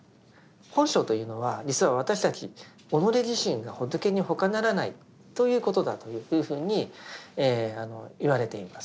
本性というのは実は私たち己自身が仏にほかならないということだというふうにいわれています。